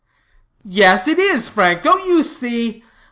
"Yes it is, Frank. Don't you see?